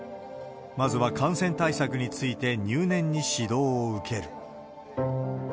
まずは感染対策について入念に指導を受ける。